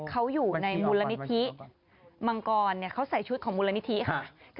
เขาอยู่ในมูลนิธิมังกรเขาใส่ชุดของมูลนิธิค่ะ